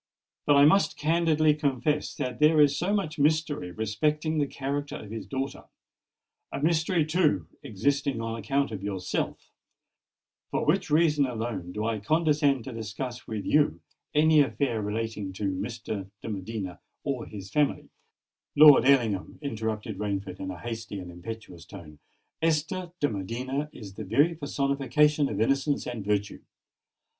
But I must candidly confess that there is so much mystery respecting the character of his daughter—a mystery, too, existing on account of yourself, for which reason alone do I condescend to discuss with you any affair relating to Mr. de Medina or his family——" "Lord Ellingham," interrupted Rainford in a hasty and impetuous tone, "Esther de Medina is the very personification of innocence and virtue!